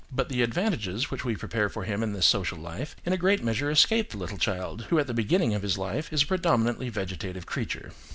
But the advantages which we prepare for him in this social life, in a great measure escape the little child, who at the beginning of his life is a predominantly vegetative creature.